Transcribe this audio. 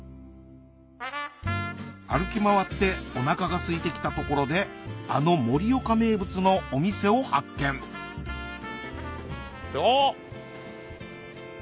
歩き回っておなかがすいてきたところであの盛岡名物のお店を発見おっ。